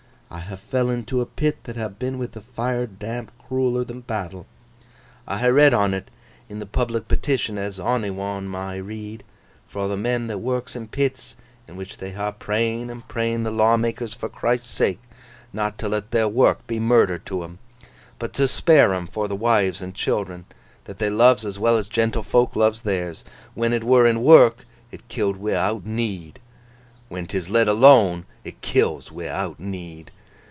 I ha' fell into a pit that ha' been wi' th' Firedamp crueller than battle. I ha' read on 't in the public petition, as onny one may read, fro' the men that works in pits, in which they ha' pray'n and pray'n the lawmakers for Christ's sake not to let their work be murder to 'em, but to spare 'em for th' wives and children that they loves as well as gentlefok loves theirs. When it were in work, it killed wi'out need; when 'tis let alone, it kills wi'out need.